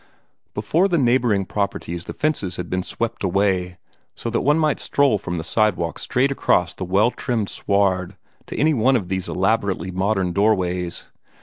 Before the neighboring properties the fences had been swept away, so that one might stroll from the sidewalk straight across the well trimmed sward to any one of a dozen elaborately modern doorways.